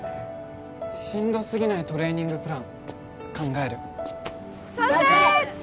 しんどすぎないトレーニングプラン考える賛成！